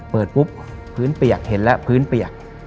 เปิดปุ๊บพื้นเปียกเห็นแล้วพื้นเปียก